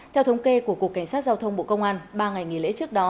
theo thống kê của cục cảnh sát giao thông bộ công an ba ngày nghỉ lễ trước đó